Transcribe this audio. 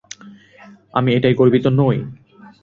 আমি এটায় গর্বিত নই।